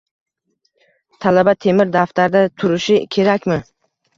Talaba temir daftarda turishi kerakmi?